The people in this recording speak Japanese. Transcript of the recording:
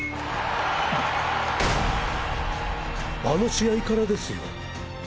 あの試合からですよ。